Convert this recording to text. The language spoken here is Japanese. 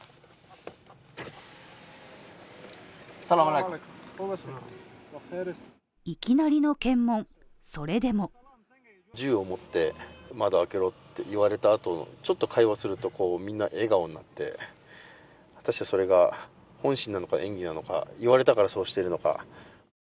いきなりの検問、それでも銃を持って窓を開けろって言われた後、ちょっと会話をするとみんな笑顔になって、私はそれが本心なのか演技なのか、言われたからそうしているのか。